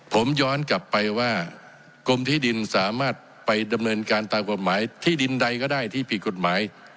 ผมย้อนกลับไปว่ากรมที่ดินสามารถไปดำเนินการตามกฎหมายที่ดินใดก็ได้ที่ผิดกฎหมาย